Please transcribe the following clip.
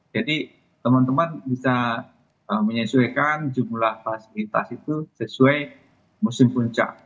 teman teman bisa menyesuaikan jumlah fasilitas itu sesuai musim puncak